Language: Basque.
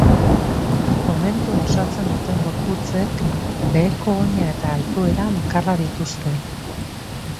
Komentua osatzen duten gorputzek beheko oina eta altuera bakarra dituzte.